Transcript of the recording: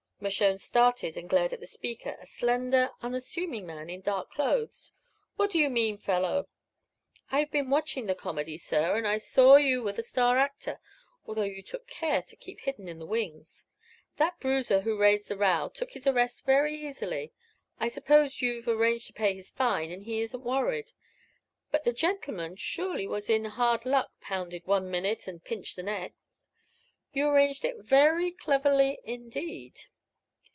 Mershone started and glared at the speaker, a slender, unassuming man in dark clothes. "What do you mean, fellow?" "I've been watching the comedy, sir, and I saw you were the star actor, although you took care to keep hidden in the wings. That bruiser who raised the row took his arrest very easily; I suppose you've arranged to pay his fine, and he isn't worried. But the gentleman surely was in hard luck pounded one minute and pinched the next. You arranged it very cleverly, indeed."